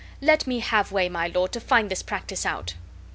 Let me have way, my lord, to find this practice out."